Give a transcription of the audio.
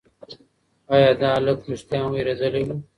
ایا دا هلک رښتیا هم وېرېدلی و؟